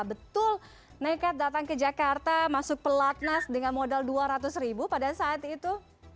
betul nekat datang ke jakarta masuk pelatnas dengan modal dua ratus ribu pada saat itu